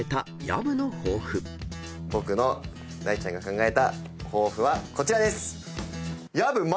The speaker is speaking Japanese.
僕の大ちゃんが考えた抱負はこちらです！